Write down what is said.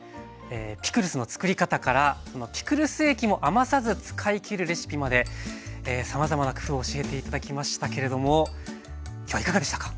ピクルスのつくり方からピクルス液も余さず使いきるレシピまでさまざまな工夫を教えて頂きましたけれども今日はいかがでしたか？